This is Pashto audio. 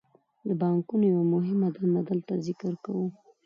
د بانکونو یوه مهمه دنده دلته ذکر کوو